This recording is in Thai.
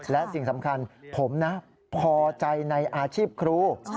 และสิ่งสำคัญผมนะพอใจในอาชีพครู